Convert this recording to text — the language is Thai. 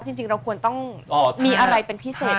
จริงเราควรต้องมีอะไรเป็นพิเศษ